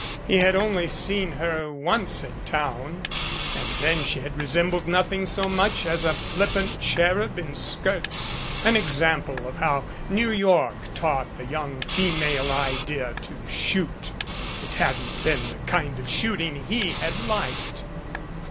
He had only seen her once in town and then she had resem bled nothing so much as a flippant cherub in skirts an example of how New York taught the young female idea to shoot. It hadn't been the kind of shooting he had liked.